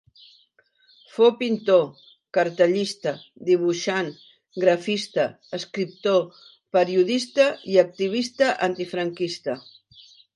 Fou pintor, cartellista, dibuixant, grafista, escriptor, periodista i activista antifranquista.